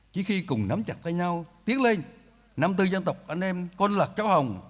chỉ khi cùng nắm chặt với nhau tiến lên năm tư dân tộc anh em con lạc cháu hồng